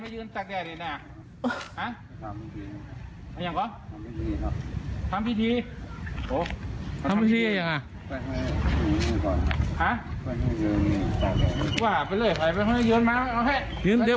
ยืนจากแดทคนยั่งทำพิธี